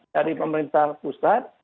dari pemerintah pusat